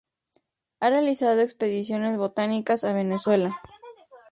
Ha realizado expediciones botánicas a Venezuela